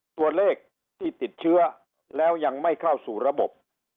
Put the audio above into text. ตัวเลขที่ติดเชื้อแล้วยังไม่เข้าสู่ระบบ